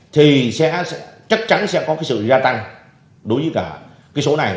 thì chắc chắn sẽ có sự gia tăng đối với cả số này